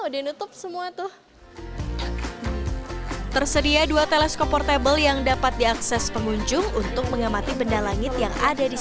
portable yang dapat diakses pengunjung untuk mengamati benda langit yang ada di sini terdapat dua teleskop portable yang dapat diakses pengunjung untuk mengamati benda langit yang ada di sini